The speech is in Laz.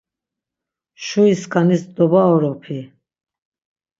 Şuri skanis dobaoropi.